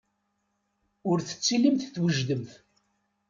Ur tettilimt twejdemt.